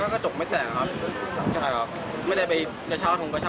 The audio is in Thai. กลุ่มนี่ไม่ได้ใกล้กระชาทำไง